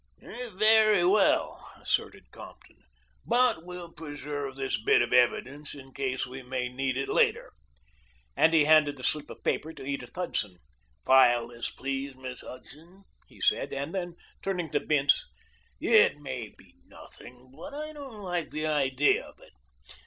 "Very well," assented Compton, "but we'll preserve this bit of evidence in case we may need it later," and he handed the slip of paper to Edith Hudson. "File this, please, Miss Hudson," he said; and then, turning to Bince: "It may be nothing, but I don't like the idea of it.